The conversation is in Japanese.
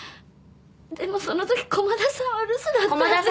でもそのとき駒田さんは留守だったんです。